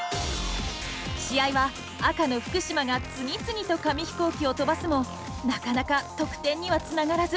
試合は赤の福島が次々と紙飛行機を飛ばすもなかなか得点にはつながらず。